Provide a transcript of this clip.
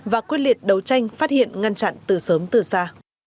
và quyết liệt đấu tranh phát hiện ngăn chặn từ sớm từ xa